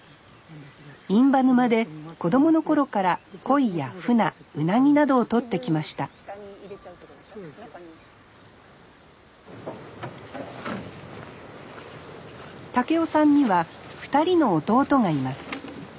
印旛沼で子供の頃からコイやフナウナギなどをとってきました孟夫さんには２人の弟がいます。